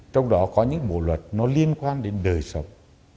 trong đó có những bộ luật nó liên quan đến đời sống